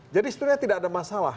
jadi sebenarnya tidak ada masalah